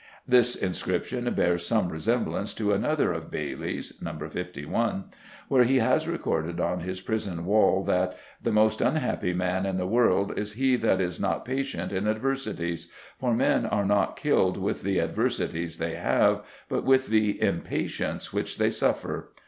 This inscription bears some resemblance to another of Bailly's (No. 51), where he has recorded on his prison wall that, "The most unhapy man in the world is he that is not pacient in adversities; for men are not killed with the adversities they have, but with the impacience which they suffer....